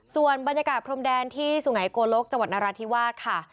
ส่วนบรรยากาศพรมแดนที่สุไงโกลกจังหวัดนราธิวาสค่ะ